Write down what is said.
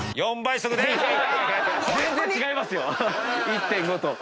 全然違いますよ１．５と。